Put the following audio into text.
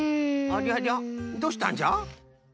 ありゃりゃどうしたんじゃ？